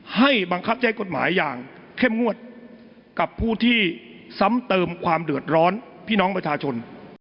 ให้บังคับใช้กฎหมายอย่างเข้มงวดกับผู้ที่ซ้ำเติมความเดือดร้อนพี่น้องประชาชน